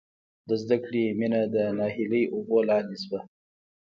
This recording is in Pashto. د زدکړې مینه د ناهیلۍ اوبو لاندې شوه